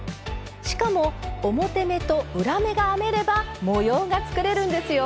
しかも表目と裏目が編めれば模様が作れるんですよ！